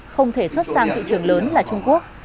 không thể xuất sang thị trường lớn là trung quốc